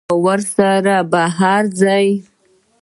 ایا ورسره بهر ځئ؟